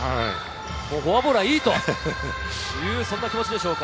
フォアボールはもういいというそんな気持ちでしょうか。